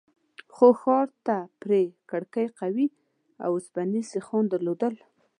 خو ښار ته پرې کړکۍ قوي اوسپنيز سيخان درلودل.